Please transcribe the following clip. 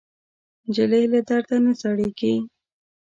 نجلۍ له درد نه زړېږي.